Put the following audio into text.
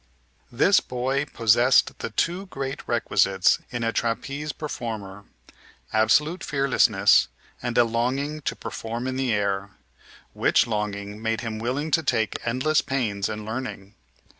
This boy possessed the two great requisites in a trapeze performer, absolute fearlessness and a longing to perform in the air which longing made him willing to take endless pains in learning.